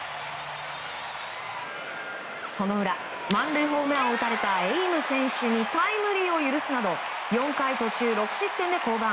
その裏満塁ホームランを打たれたエイム選手にタイムリーを許すなど４回途中６失点で降板。